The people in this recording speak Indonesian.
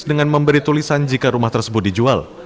dengan memberi tulisan jika rumah tersebut dijual